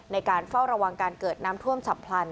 ในการเฝ้าระวังการเกิดน้ำท่วมฉับพลัน